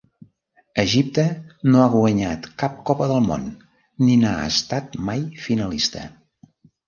Egipte no ha guanyat cap Copa del Món, ni n'ha estat mai finalista.